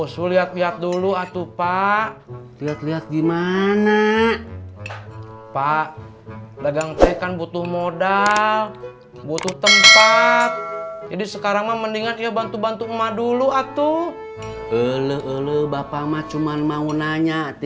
sampai jumpa di video selanjutnya